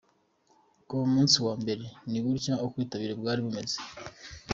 Kuva ku munsi wa mbere, ni gutya ubwitabire bwari bumeze .